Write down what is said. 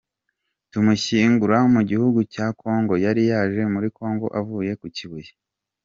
Tumushyigura mu gihugu cya Congo, yari yaje muri Congo avuye ku Kibuye.